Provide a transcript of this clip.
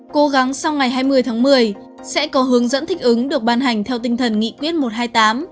cố gắng sau ngày hai mươi tháng một mươi sẽ có hướng dẫn thích ứng được ban hành theo tinh thần nghị quyết một trăm hai mươi tám